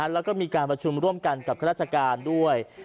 แล้วก็มีการประชุมร่วมกันกับข้าราชการด้วย